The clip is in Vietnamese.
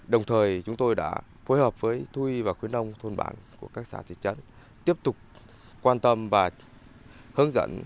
đồng thời chúng tôi đã phối hợp với thu y và khuyên đông thôn bản của các xã thị trấn tiếp tục quan tâm và hướng dẫn